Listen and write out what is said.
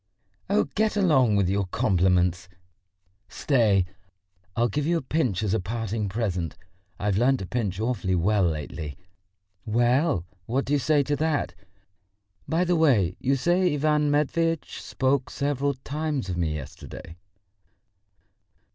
"Oh, get along with your compliments! Stay, I'll give you a pinch as a parting present. I've learnt to pinch awfully well lately. Well, what do you say to that? By the way, you say Ivan Matveitch spoke several times of me yesterday?"